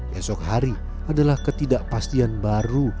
esok hari adalah ketidakpastian baru